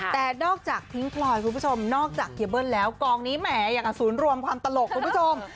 แต่นอกจากพิ้งพลอยคุณผู้ชมนอกจากเฮียเบิ้ลแล้วกองนี้แหมอย่างกับศูนย์รวมความตลกคุณผู้ชม